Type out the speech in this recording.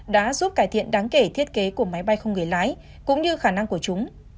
đã giúp cải thiện đáng kể thiết kế của máy bay không người lái cũng như khả năng của chúng